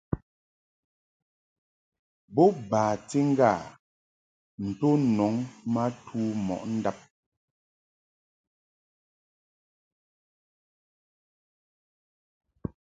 Bo bati ŋga to nɔŋ ma tu mɔʼ ndab.